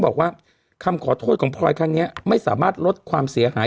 บอกว่าคำขอโทษของพลอยครั้งนี้ไม่สามารถลดความเสียหาย